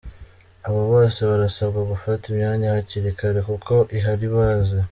Aba bose barasabwa gufata imyanya hakiri kare kuko ihari ibaze.